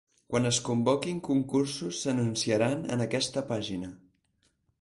Quan es convoquin concursos s'anunciaran en aquesta pàgina.